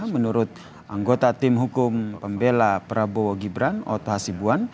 menurut anggota tim hukum pembela prabowo gibran ota hasibuan